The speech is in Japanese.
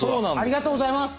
ありがとうございます。